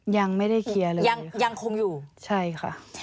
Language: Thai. ยังไม่ได้เคลียร์เลยยังคงอยู่ใช่ค่ะ